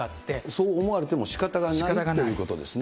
そう思われてもしかたがないということですね。